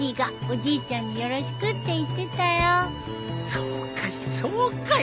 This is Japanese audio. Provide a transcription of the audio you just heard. そうかいそうかい。